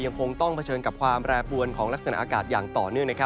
ยังคงต้องเผชิญกับความแปรปวนของลักษณะอากาศอย่างต่อเนื่อง